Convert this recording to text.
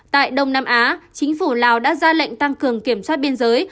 tại đông nam á chính phủ lào đã ra lệnh tăng cường kiểm soát biên giới